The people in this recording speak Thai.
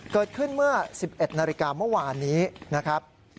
เกิดขึ้นเมื่อ๑๑นาฬิกาเมื่อวานนี้นะครับ